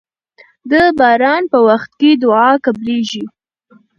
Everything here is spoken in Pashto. د باران په وخت کې دعا قبليږي.